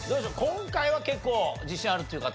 今回は結構自信あるっていう方。